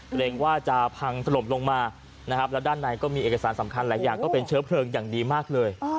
เกรงว่าจะพังถล่มลงมานะครับแล้วด้านในก็มีเอกสารสำคัญหลายอย่างก็เป็นเชื้อเพลิงอย่างดีมากเลย